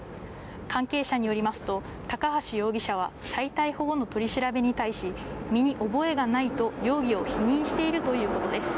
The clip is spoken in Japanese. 関係者によりますと、高橋容疑者は再逮捕後の取り調べに対し、身に覚えがないと容疑を否認しているということです。